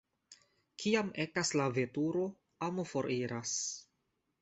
Kiam ekas la veturo, amo foriras.